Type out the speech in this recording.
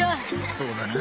そうだな。